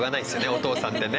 お父さんってね。